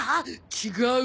違う。